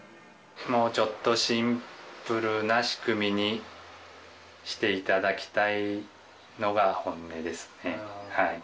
もうちょっとシンプルな仕組みにしていただきたいのが本音ですね。